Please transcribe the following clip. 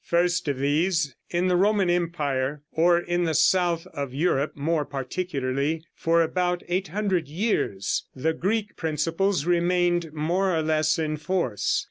First of these, in the Roman empire, or in the south of Europe more particularly, for about 800 years the Greek principles remained more or less in force.